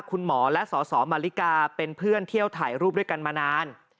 คุณหมอและสสมาริกาเป็นเพื่อนเที่ยวถ่ายรูปด้วยกันมานาน